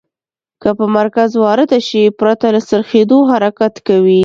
که په مرکز وارده شي پرته له څرخیدو حرکت کوي.